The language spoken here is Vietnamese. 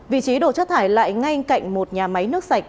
vị trí đổ chất thải lại ngay cạnh một nhà máy nước sạch